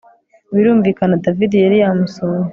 birumvikana david yari yamusuye